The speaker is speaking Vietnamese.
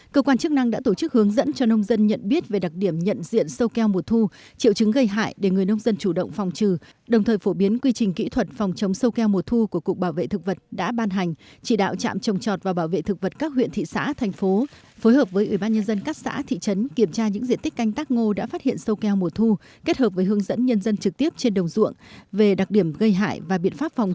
cơ quan chức năng đã tổ chức hướng dẫn cho nông dân nhận biết về đặc điểm nhận diện sâu keo mùa thu triệu chứng gây hại để người nông dân chủ động phòng trừ đồng thời phổ biến quy trình kỹ thuật phòng chống sâu keo mùa thu của cục bảo vệ thực vật đã ban hành chỉ đạo trạm trồng chọt và bảo vệ thực vật các huyện thị xã thành phố phối hợp với ủy ban nhân dân các xã thị trấn kiểm tra những diện tích canh tác ngô đã phát hiện sâu keo mùa thu kết hợp với hướng dẫn nhân dân trực tiếp trên đồng ruộng về đặc điểm gây hại và bi